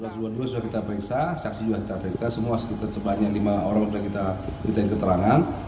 dua puluh dua sudah kita periksa saksi juga kita periksa semua sekitar sebanyak lima orang sudah kita minta keterangan